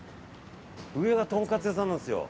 上がとんかつ屋さんなんですよ。